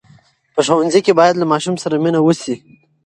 په ښوونځي کې باید له ماشوم سره مینه وسي.